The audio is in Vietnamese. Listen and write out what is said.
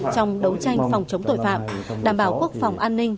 trong đấu tranh phòng chống tội phạm đảm bảo quốc phòng an ninh